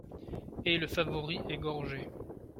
Et le favori est gorgé.